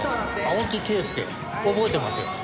青木圭介覚えてますよ。